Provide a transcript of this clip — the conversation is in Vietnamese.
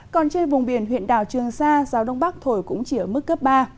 còn trên vùng biển huyện đảo trường sa gió đông bắc thổi cũng chỉ ở mức cấp ba